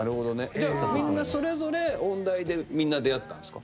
じゃあみんなそれぞれ音大でみんな出会ったんですか？